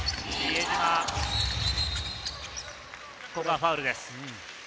ここはファウルです。